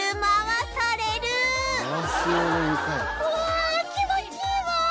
うわ気持ちいいワン。